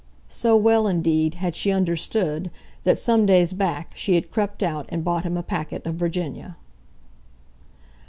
So well, indeed, had she understood that some days back she had crept out and bought him a packet of Virginia.